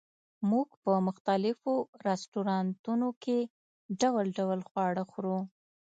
موږ په مختلفو رستورانتونو کې ډول ډول خواړه خورو